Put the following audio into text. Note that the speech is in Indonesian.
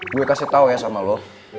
gue kasih tau ya sama lo